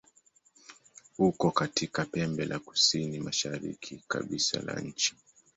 Uko katika pembe la kusini-mashariki kabisa la nchi.